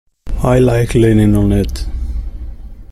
I like leaning on it.